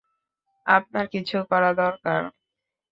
আপনার কিছু করা দরকার।